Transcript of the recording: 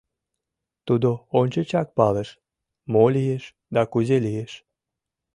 Тудо ончычак палыш, мо лиеш да кузе лиеш.